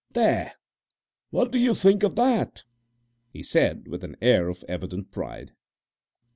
"There! what do you think of that?" he said, with an air of evident pride.